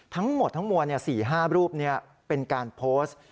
ทั้งหมดทั้งมวล๔๕รูปนี้เป็นการโพสต์